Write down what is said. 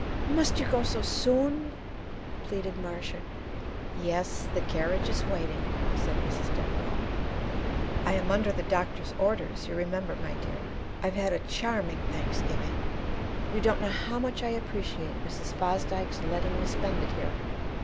"Must you go so soon?" pleaded Marcia. "Yes, the carriage is waiting," said Mrs. Devereaux. "I am under the doctor's orders, you remember, my dear. I've had a charming Thanksgiving; you don't know how much I appreciate Mrs. Fosdyke's letting me spend it here.